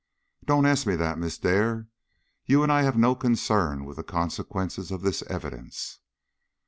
"Don't ask me that, Miss Dare. You and I have no concern with the consequences of this evidence."